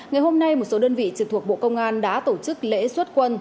ngày hôm nay một số đơn vị trực thuộc bộ công an đã tổ chức lễ xuất quân